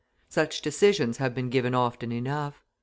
Such decisions have been given often enough.